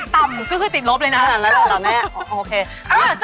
ตำก็คือติดลบเลยนะหล่ะเหรอแม่โอเค